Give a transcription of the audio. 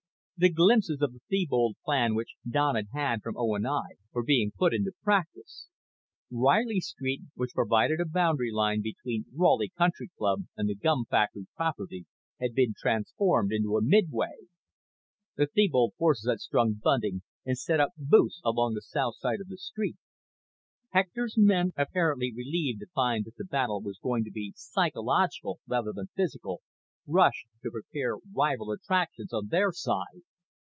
The glimpses of the Thebold Plan which Don had had from O. & I. were being put into practice. Reilly Street, which provided a boundary line between Raleigh Country Club and the gum factory property, had been transformed into a midway. The Thebold forces had strung bunting and set up booths along the south side of the street. Hector's men, apparently relieved to find that the battle was to be psychological rather than physical, rushed to prepare rival attractions on their side.